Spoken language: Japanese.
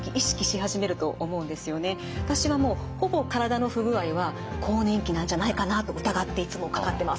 私はもうほぼ体の不具合は更年期なんじゃないかなと疑っていつもかかってます。